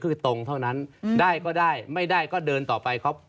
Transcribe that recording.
คือตรงเท่านั้นได้ก็ได้ไม่ได้ก็เดินต่อไปครับ